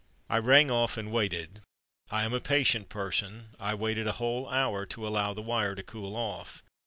I rang off and waited. I am a patient person, I waited a whole hour to allow the wire to cool off.